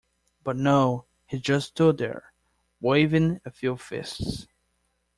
But no, he just stood there. Waving a few fists.